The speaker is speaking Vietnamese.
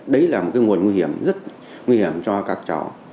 đấy là một cái nguồn nguy hiểm rất nguy hiểm cho các cháu